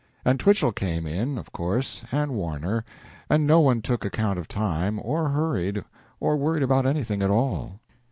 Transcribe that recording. And Twichell came in, of course, and Warner, and no one took account of time, or hurried, or worried about anything at all.